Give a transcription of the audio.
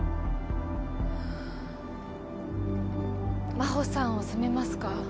真帆さんを責めますか？